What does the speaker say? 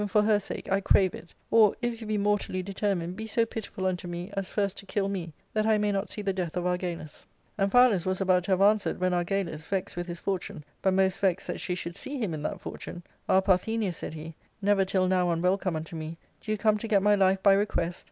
for her sake, I crave it ; or, if you be mortally determined, be so pitiful unto me as first to kill me, that I may not see the death of Argalus." Amphialus was about to have answered, when Argalus, vexed with his for tune, but most vexed that she should see him in that fortune, " Ah, Parthenia," said he, " never till now unwelcome unto me, do you come to get my life by request